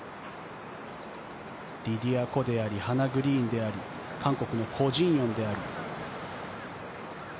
リディア・コでありハナ・グリーンであり韓国のコ・ジンヨンであり。